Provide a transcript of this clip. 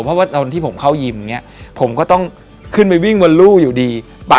เพราะว่าตอนที่ผมเข้ายิมผมก็ต้องขึ้นไปวิ่งวันรู้อยู่ดี